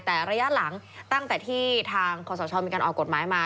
แต่ระยะหลังตั้งแต่ที่ทางขอสชมีการออกกฎหมายมา